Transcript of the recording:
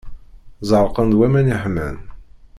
Zerqen-d waman iḥman.